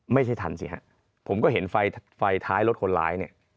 ไม่ทันสิฮะผมก็เห็นไฟท้ายรถคนร้ายเนี่ย